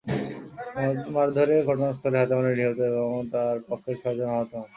মারধরে ঘটনাস্থলেই হাতেম আলী নিহত এবং তাঁর পক্ষের ছয়জন আহত হন।